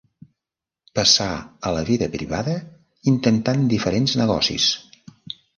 Passà a la vida privada intentant diferents negocis.